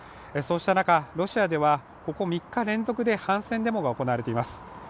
そうした中、ロシアではここ３日連続で反戦デモが行われています。